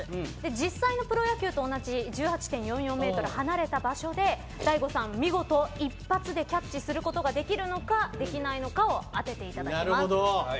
実際のプロ野球と同じ１８．４４ｍ離れた場所で、大悟さんが見事一発でキャッチすることができるのか、できないのかを当てていただきます。